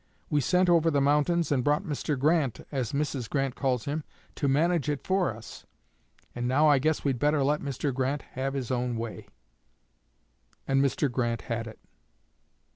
We sent over the mountains and brought Mr. Grant, as Mrs. Grant calls him, to manage it for us; and now I guess we'd better let Mr. Grant have his own way." And Mr. Grant had it.